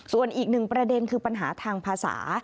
ส่วนอีกหนึ่งประเด็นคือปัญหาทางภาษา